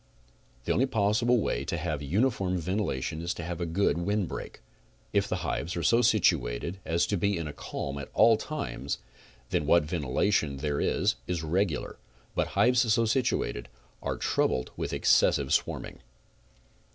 The only possible way to have uniform ventilation is to have a good wind break. If the hives are so situated as to be in a calm at all times then what ventilation there is is regular, but hives so situated are troubled with excessive swarming.